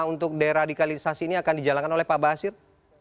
untuk deradikalisasi ini akan dijalankan oleh pak basir